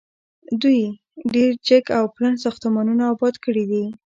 دوی ډیر جګ او پلن ساختمانونه اباد کړي دي.